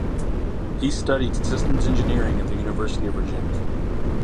She studied systems engineering at the University of Virginia.